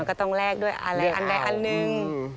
ก็ต้องแลกด้วยอะไรอันใดอันหนึ่ง